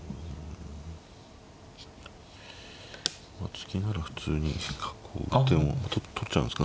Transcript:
突きなら普通に角を打っても取っちゃうんですか。